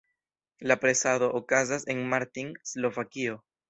La presado okazas en Martin, Slovakio.